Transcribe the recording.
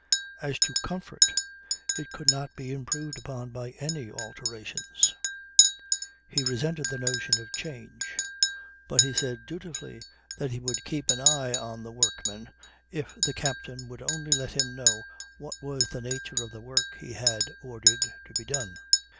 As to comfort, it could not be improved by any alterations. He resented the notion of change; but he said dutifully that he would keep his eye on the workmen if the captain would only let him know what was the nature of the work he had ordered to be done.